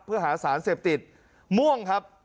เพื่อหาสารเสพติดม่วงครับ